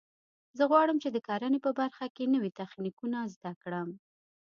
زه غواړم چې د کرنې په برخه کې نوي تخنیکونه زده کړم